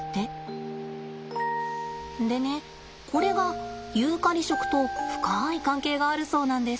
でねこれがユーカリ食と深い関係があるそうなんです。